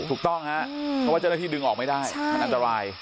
ถูกต้องครับเพราะว่าเจ้าหน้าที่ดึงออกไม่ได้มันอันตราย